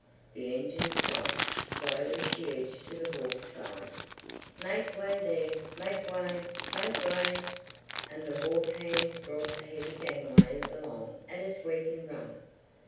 The engines stopped. Slowly she edged to the wharf side. "Make way there—make way—make way!" And the wharf hands brought the heavy gangways along at a sweeping run.